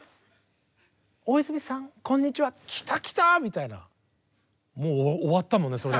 「大泉さんこんにちは」きたきたみたいなもう終わったもんね